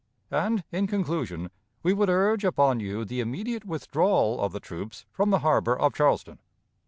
And, in conclusion, we would urge upon you the immediate withdrawal of the troops from the harbor of Charleston.